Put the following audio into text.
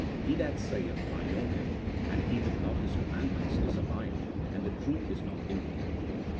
He that saith, I know Him, and keepeth not His command ments, is a liar, and the truth is not in him."